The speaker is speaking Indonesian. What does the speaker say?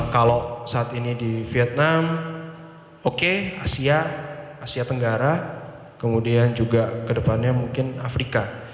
kalau saat ini di vietnam oke asia asia tenggara kemudian juga kedepannya mungkin afrika